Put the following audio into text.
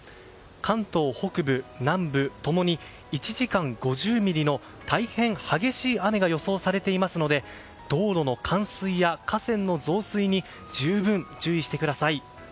関東北部、南部共に１時間に５０ミリの大変激しい雨が予想されていますので道路の冠水や河川の増水に十分、注意してください。